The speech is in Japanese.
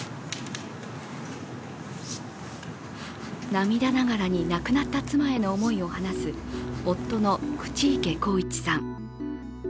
涙ながらに亡くなった妻への思いを話す、夫の口池幸一さん。